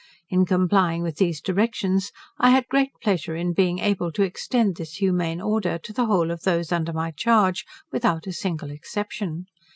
In complying with these directions, I had great pleasure in being able to extend this humane order to the whole of those under my charge, without a single exception.